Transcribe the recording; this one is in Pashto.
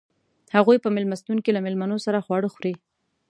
هغوئ په میلمستون کې له میلمنو سره خواړه خوري.